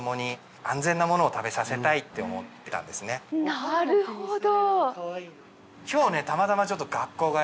なるほど！